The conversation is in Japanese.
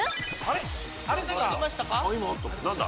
何だ？